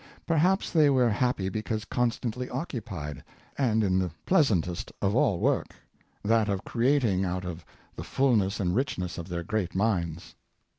Perhaps they were happy because constantly occupied, and in the pleasantest of all work — that of creating out of the fulness and richness of their great minds.